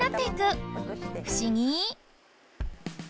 ふしぎ！